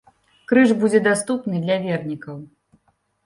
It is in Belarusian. Крыж будзе даступны для вернікаў.